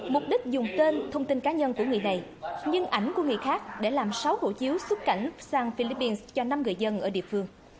mục đích dùng tên thông tin cá nhân của người này nhưng ảnh của người khác để làm sáu hộ chiếu xuất cảnh sang philippines cho năm người dân ở địa phương